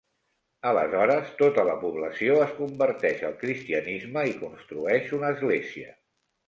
Aleshores tota la població es converteix al cristianisme i construeix una església.